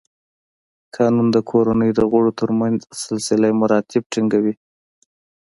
قانون د کورنۍ د غړو تر منځ سلسله مراتب ټینګوي.